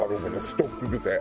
ストック癖。